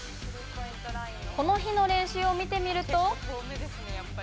この日の練習を見てみると。